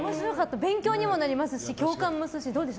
勉強にもなりますし共感もするしどうでした？